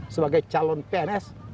sebagai calon pns